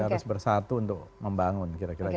harus bersatu untuk membangun kira kira gitu